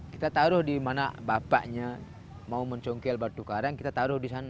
kita taruh di mana bapaknya mau mencongkel batu karang kita taruh di sana